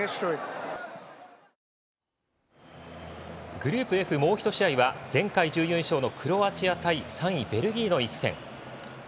グループＦもう１試合は前回準優勝のクロアチア対３位ベルギーの一戦。